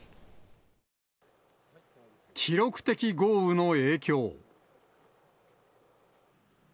記録的豪雨の影響。